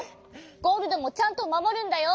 ゴールドもちゃんとまもるんだよ！